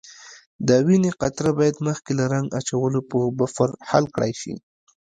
د وینې قطره باید مخکې له رنګ اچولو په بفر حل کړای شي.